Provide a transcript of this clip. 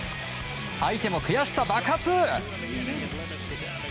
相手も悔しさ爆発！